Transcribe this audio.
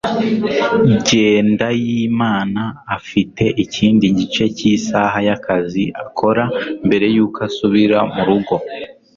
Jyendayimana afite ikindi gice cyisaha yakazi akora mbere yuko asubira murugo